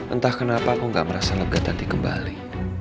entah kenapa aku gak merasa lega tadi kembali